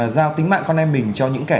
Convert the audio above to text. giao tính mạng con em mình cho những kẻ